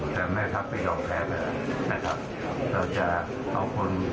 แต่แม่ทัพไม่ยอมแพ้อย่างนั้นนะครับนะครับเราจะเอาคน